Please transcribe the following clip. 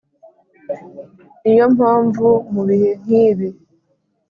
niyo mpamvu mubihe nk’ibi